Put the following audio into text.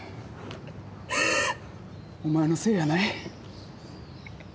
お前のせいやない。